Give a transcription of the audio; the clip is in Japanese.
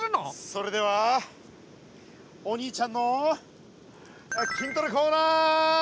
それではお兄ちゃんの筋トレコーナー！